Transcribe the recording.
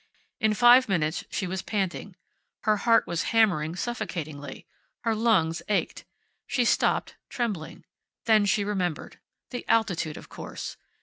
In five minutes she was panting. Her heart was hammering suffocatingly. Her lungs ached. She stopped, trembling. Then she remembered. The altitude, of course.